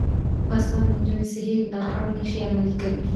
باسواده نجونې صحي لارښوونې ښې عملي کوي.